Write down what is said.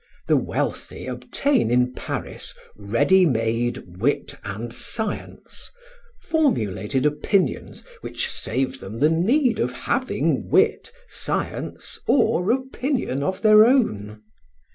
The wealthy obtain in Paris ready made wit and science formulated opinions which save them the need of having wit, science, or opinion of their own.